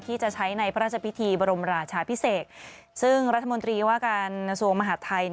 ที่จะใช้ในพระราชพิธีบรมราชาพิเศษซึ่งรัฐมนตรีว่าการกระทรวงมหาดไทย